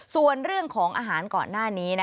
ส่วนเรื่องของอาหารก่อนหน้านี้